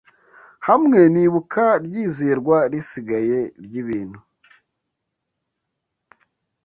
Hamwe nibuka ryizerwa risigaye ryibintu